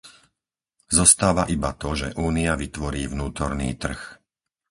Zostáva iba to, že Únia vytvorí vnútorný trh.